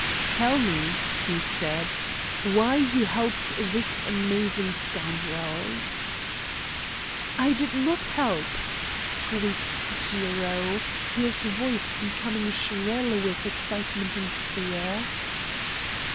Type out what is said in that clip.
"Tell me," he said, "why you helped this amazing scoundrel?" "I did not help," squeaked Jiro, his voice becoming shrill with excitement and fear.